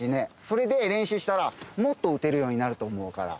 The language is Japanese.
それで練習したらもっと打てるようになると思うから。